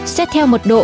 xét theo mật độ